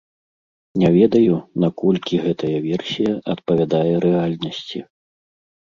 Не ведаю, наколькі гэтая версія адпавядае рэальнасці.